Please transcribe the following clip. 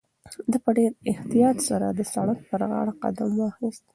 ده په ډېر احتیاط سره د سړک پر غاړه قدم واخیست.